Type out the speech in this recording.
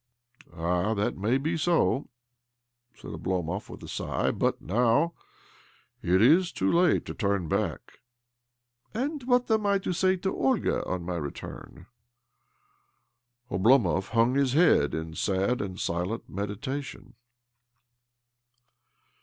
" All that may be so," said Oblomov with OBLOMOV 241 a sigh ;" but now it is too late to turn back." " And what am I to say to Olga on my return? " Oblomov hung his heald in sad and silent meditation.